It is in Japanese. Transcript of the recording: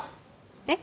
えっ？